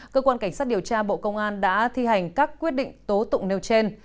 cơ quan cảnh sát điều tra bộ công an đã thi hành các quyết định tố tụng nêu trên